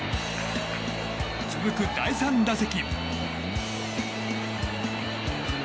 続く第３打席。